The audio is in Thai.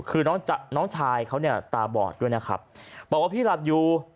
คือน้องน้องชายเขาเนี่ยตาบอดด้วยนะครับบอกว่าพี่หลับอยู่